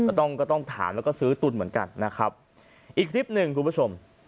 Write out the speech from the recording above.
ก็ต้องก็ต้องถามแล้วก็ซื้อตุนเหมือนกันนะครับอีกคลิปหนึ่งคุณผู้ชม